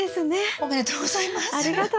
ありがとうございます。